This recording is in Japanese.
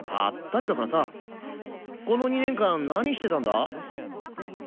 この２年間何してたんだ？